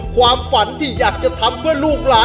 โปรดติดตามต่อไป